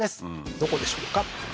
どこでしょうか？